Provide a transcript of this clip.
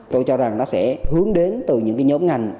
tôi cho rằng nó sẽ hướng đến từ những cái nhóm ngành